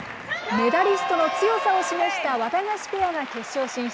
メダリストの強さを示したワタガシペアが決勝進出。